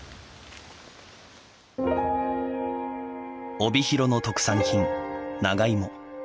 帯広の特産品・長いも。